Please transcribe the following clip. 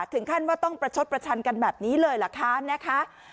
ถึงขั้นว่าต้องประชดประชันกันแบบนี้เลยเหรอคะนะคะ